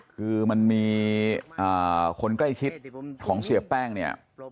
คือมันมีคนใกล้ชิดของเสียแป้งเนี่ย